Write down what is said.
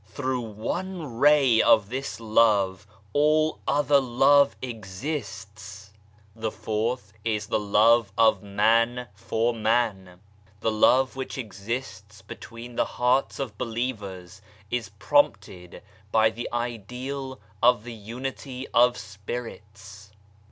Through one ray of this Love all othgr love exists. The fourth is the love of man for man. The love which exists between the hearts of believers is prompted by the ideal of the unity of spirits.